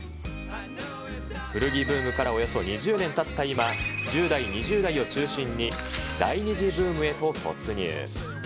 古着ブームからおよそ２０年たった今、１０代、２０代を中心に、第２次ブームへと突入。